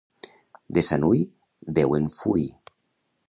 De Sanui, Déu en fui.